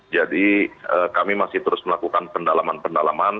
jadi kami masih terus melakukan pendalaman pendalaman